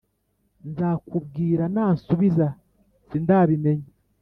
Nzakubwira nansubiza sindabimenya